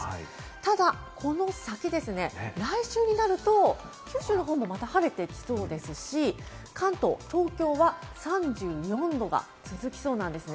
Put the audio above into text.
ただこの先ですね、来週になると、九州の方もまた晴れてきそうですし、関東、東京は３４度が続きそうなんですね。